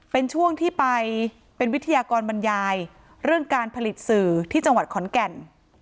เป็นช่วงที่ไปเป็นวิทยากรบรรยายเรื่องการผลิตสื่อที่จังหวัดขอนแก่น